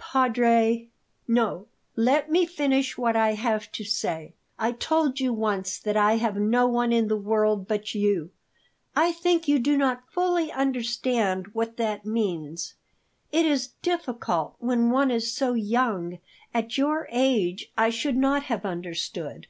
"Padre " "No; let me finish what I have to say. I told you once that I have no one in the world but you. I think you do not fully understand what that means. It is difficult when one is so young; at your age I should not have understood.